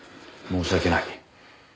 申し訳ない。